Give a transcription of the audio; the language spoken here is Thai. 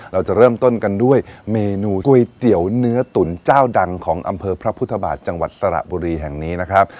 เราจะเริ่มต้นกันด้วยเมนูก๋วยเตี๋ยวเนื้อตุ๋นเจ้าดังของอำเภอพระพุทธบาทจังหวัดสระบุรีแห่งนี้นะครับ